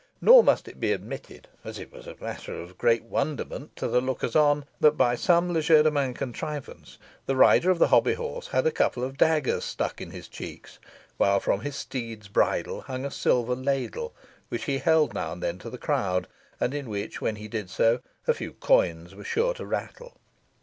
Nor must it be omitted, as it was matter of great wonderment to the lookers on, that by some legerdemain contrivance the rider of the hobby horse had a couple of daggers stuck in his cheeks, while from his steed's bridle hung a silver ladle, which he held now and then to the crowd, and in which, when he did so, a few coins were sure to rattle.